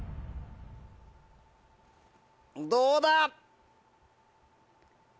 どうだ？